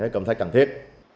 công tác cần thiết